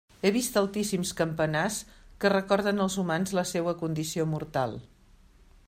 He vist altíssims campanars que recorden als humans la seua condició mortal.